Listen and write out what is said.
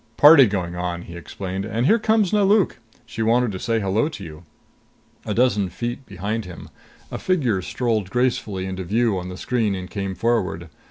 "Party going on," he explained. "And here comes Nelauk! She wanted to say hello to you." A dozen feet behind him, a figure strolled gracefully into view on the screen and came forward.